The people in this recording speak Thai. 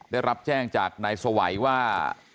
ได้รับแจ้งจากนายสวัยว่า